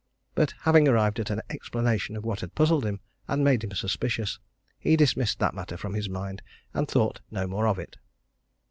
But having arrived at an explanation of what had puzzled him and made him suspicious, he dismissed that matter from his mind and thought no more of it.